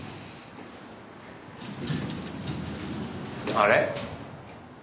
あれ？